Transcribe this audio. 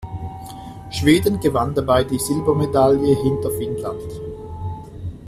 Schweden gewann dabei die Silbermedaille hinter Finnland.